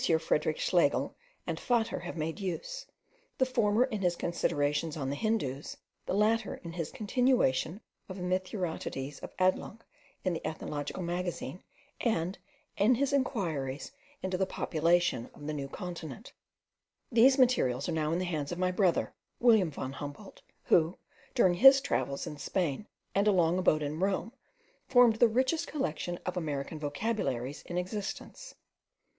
Frederic Schlegel and Vater have made use; the former in his Considerations on the Hindoos, the latter in his Continuation of the Mithridates of Adelung, in the Ethnographical Magazine, and in his Inquiries into the Population of the New Continent. These materials are now in the hands of my brother, William von Humboldt, who, during his travels in Spain, and a long abode at Rome, formed the richest collection of American vocabularies in existence.